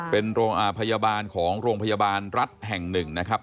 เป็นโรงพยาบาลของโรงพยาบาลรัฐแห่งหนึ่งนะครับ